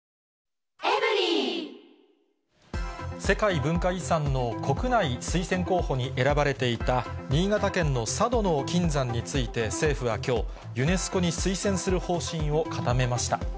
世界文化遺産の国内推薦候補に選ばれていた、新潟県の佐渡島の金山について、政府はきょう、ユネスコに推薦する方針を固めました。